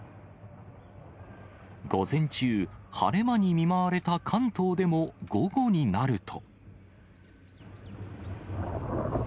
午前中、晴れ間に見舞われた関東でも午後になると。